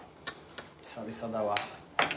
久々だわ。